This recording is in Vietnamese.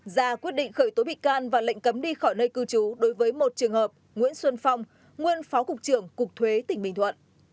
ra quyết định khởi tố bị can và lệnh cấm đi khỏi nơi cư trú đối với một trường hợp nguyễn xuân phong nguyên phó cục trưởng cục thuế tỉnh bình thuận